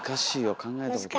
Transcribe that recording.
考えたことないもん。